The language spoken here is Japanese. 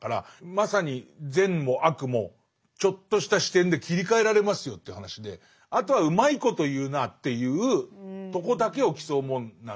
まさに善も悪もちょっとした視点で切り替えられますよという話であとはうまいこと言うなあっていうとこだけを競うもんなんだけど。